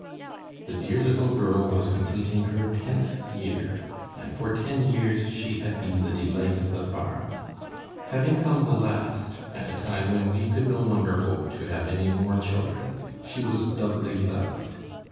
The dear little girl was completing her tenth year, and for ten years she had been the delight of the farm. Having come the last, at a time when we could no longer hope to have any more children, she was doubly loved.